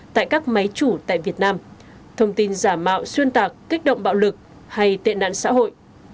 tại các máy chủ tại việt nam thông tin giả mạo xuyên tạc kích động bạo lực hay tệ nạn xã hội